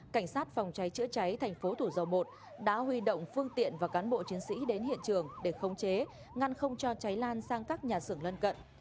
cảnh sát phòng cháy chữa cháy thành phố thủ dầu một đã huy động phương tiện và cán bộ chiến sĩ đến hiện trường để khống chế ngăn không cho cháy lan sang các nhà xưởng lân cận